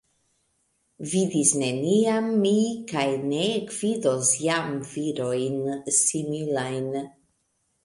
Vidis neniam mi kaj ne ekvidos jam virojn similajn.